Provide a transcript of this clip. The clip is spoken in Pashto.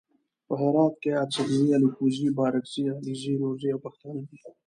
په هرات کې اڅګزي الکوزي بارګزي علیزي نورزي او پښتانه دي.